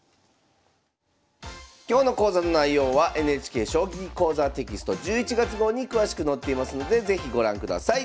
今日の講座の内容はＮＨＫ「将棋講座」テキスト１１月号に詳しく載っていますので是非ご覧ください。